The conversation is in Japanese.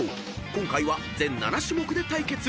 ［今回は全７種目で対決］